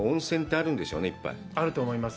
あると思います。